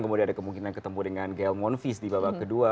kemudian ada kemungkinan ketemu dengan gel moonfish di babak kedua